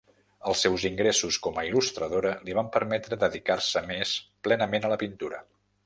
Els seus ingressos com a il·lustradora li van permetre dedicar-se més plenament a la pintura.